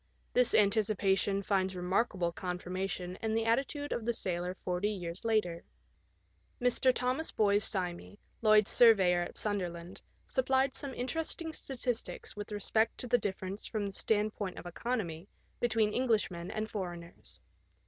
This anticipation finds remarkable confirmation in the attitude of the sailor forty years later. Mr. Thomas Boyes Simey, Lloyd's surveyor at Sunderland, supplied some interest ing statistics with respect to the difference from the stand point of economy between Englishmen and foreigners.